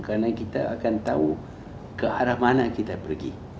karena kita akan tahu ke arah mana kita pergi